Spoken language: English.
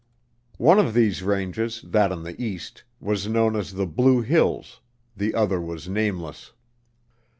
One of these ranges, that on the east, was known as the Blue Hills; the other was nameless.